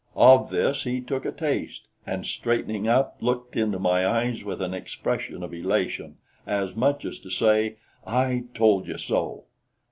Of this he took a taste, and straightening up, looked into my eyes with an expression of elation as much as to say "I told you so!"